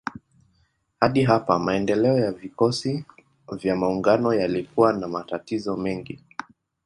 Hadi hapa maendeleo ya vikosi vya maungano yalikuwa na matatizo mengi.